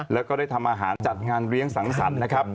แล้วก็ได้ทำอาหารจัดงานเลี้ยงสังสรรค์นะครับ